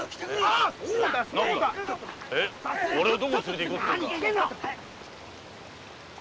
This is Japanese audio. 俺をどこへ連れて行こうっていうんだ？